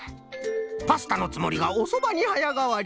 パスタのつもりがおそばにはやがわり。